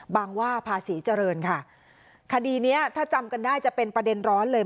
ว่าภาษีเจริญค่ะคดีเนี้ยถ้าจำกันได้จะเป็นประเด็นร้อนเลย